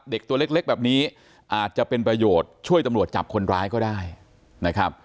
ตัวเล็กแบบนี้อาจจะเป็นประโยชน์ช่วยตำรวจจับคนร้ายก็ได้นะครับ